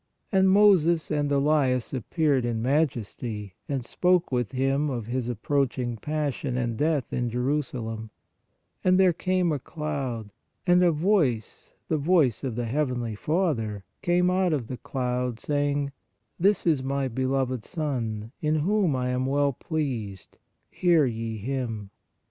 And Moses and Elias appeared in majesty and spoke with Him of His ap proaching passion and death in Jerusalem; and there came a cloud, and a voice, the voice of the heavenly Father, came out of the cloud, saying: " This is My beloved Son, in whom I am well pleased ; hear ye Him."